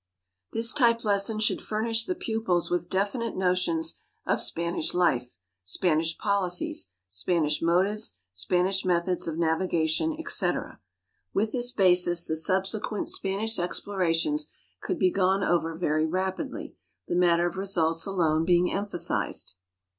This type lesson should furnish the pupils with definite notions of Spanish life, Spanish policies, Spanish motives, Spanish methods of navigation, etc. With this basis the subsequent Spanish explorations could be gone over very rapidly, the matter of results alone being emphasized.